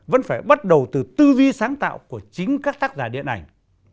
vẫn phải bắt đầu từ tư duy sáng tạo của chính các tác giả điện ảnh